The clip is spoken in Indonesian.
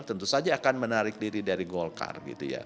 tentu saja akan menarik diri dari golkar